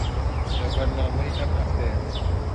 لە بەرنامەی ئەم هەفتەیە